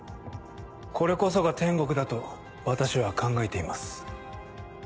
これこそが天国だと私は考えています。